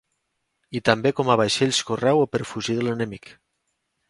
I també com a vaixells correu o per a fugir de l’enemic.